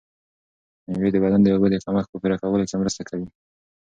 مېوې د بدن د اوبو د کمښت په پوره کولو کې مرسته کوي.